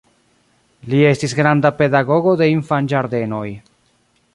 Li estis granda pedagogo de infanĝardenoj.